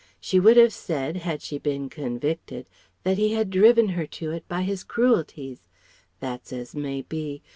She would have said, had she been convicted, that he had driven her to it by his cruelties: that's as may be.